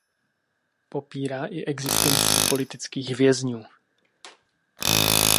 Popírá i existenci politických vězňů.